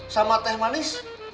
sama teh manis